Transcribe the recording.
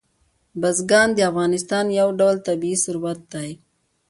بزګان د افغانستان یو ډول طبعي ثروت دی.